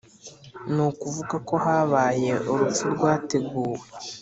Ni kuvuga ko habaye urupfu rwateguwe